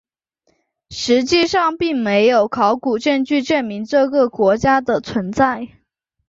实际上并没有考古证据证明这个国家的存在。